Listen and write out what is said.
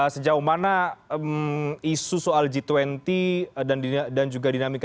sejauh mana isu soal g dua puluh dan juga dinamika